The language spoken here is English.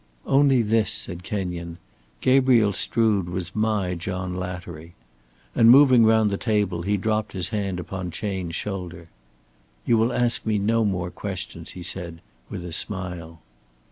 "Only this," said Kenyon. "Gabriel Strood was my John Lattery," and moving round the table he dropped his hand upon Chayne's shoulder. "You will ask me no more questions," he said, with a smile.